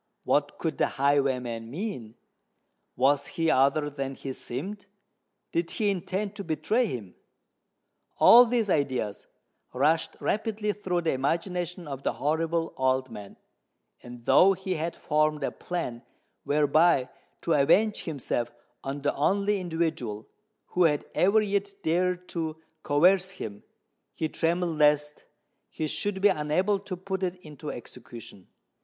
What could the highwayman mean? Was he other than he seemed? Did he intend to betray him? All these ideas rushed rapidly through the imagination of the horrible old man; and, though he had formed a plan whereby to avenge himself on the only individual who had ever yet dared to coerce him, he trembled lest he should be unable to put it into execution.